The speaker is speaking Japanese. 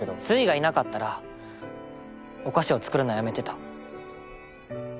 スイがいなかったらお菓子を作るのやめてた。